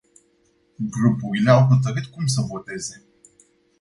Grupurile au hotărât cum să voteze.